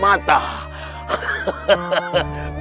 yang tengah sat mata